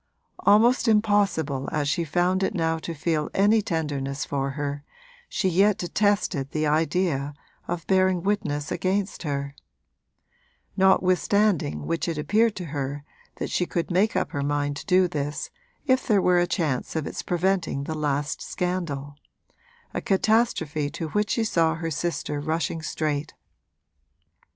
Almost impossible as she found it now to feel any tenderness for her, she yet detested the idea of bearing witness against her: notwithstanding which it appeared to her that she could make up her mind to do this if there were a chance of its preventing the last scandal a catastrophe to which she saw her sister rushing straight.